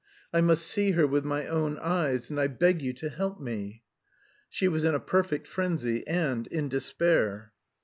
"I must see her with my own eyes, and I beg you to help me." She was in a perfect frenzy, and in despair.